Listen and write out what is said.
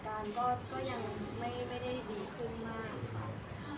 สถานการณ์ก็ยังไม่ได้ดีขึ้นมาก